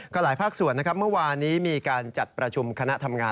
ก็หลายภาคส่วนนะครับเมื่อวานนี้มีการจัดประชุมคณะทำงาน